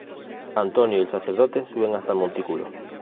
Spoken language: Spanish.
Antonio y el sacerdote suben hasta el montículo.